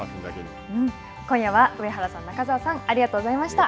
今夜は上原さん、中澤さん、ありがとうございました。